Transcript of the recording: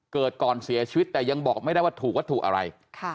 ก่อนเสียชีวิตแต่ยังบอกไม่ได้ว่าถูกวัตถุอะไร